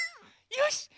よし！